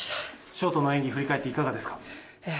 ショートの演技を振り返っていかがですか。